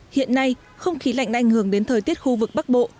hiện nay không khí lạnh đã ảnh hưởng đến thời tiết khu vực bắc bộ